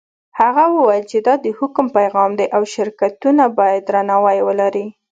هغه وویل چې دا د حکم پیغام دی او شرکتونه باید درناوی ولري.